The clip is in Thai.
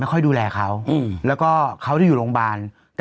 เปิดประเด็นมาซักอย่าง